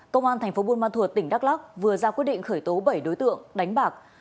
công an thành phố buôn ma thuột tỉnh đắk lắc vừa ra quyết định khởi tố bảy đối tượng đánh bạc